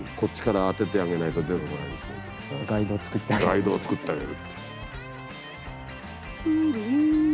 ガイドを作ってあげる。